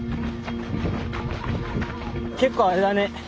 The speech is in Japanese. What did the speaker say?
結構あれだね。